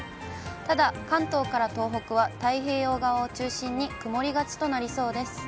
ただ、関東から東北は太平洋側を中心に、曇りがちとなりそうです。